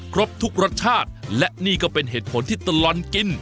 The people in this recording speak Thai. ครบทุกรสชาติและนี่ก็เป็นเหตุผลที่ตลอดกิน